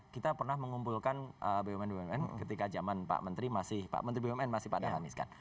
kita pernah mengumpulkan bumn bumn ketika zaman pak menteri masih pak menteri bumn masih pada hanis kan